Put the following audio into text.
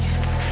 seru kalau mata